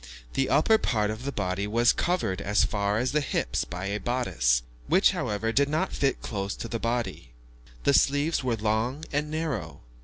The upper part of the body was covered as far as the hips by a bodice, which, however, did not fit close to the body. The sleeves were long and narrow.